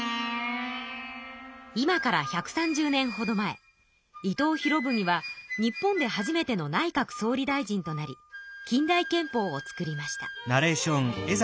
今から１３０年ほど前伊藤博文は日本で初めての内閣総理大臣となり近代憲法を作りました。